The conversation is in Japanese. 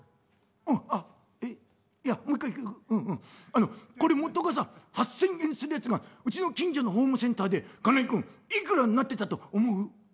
あのこれ元がさ８，０００円するやつがうちの近所のホームセンターで金井君いくらになってたと思う？」。